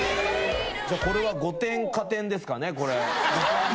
じゃあ、これは５点加点ですかね、これ。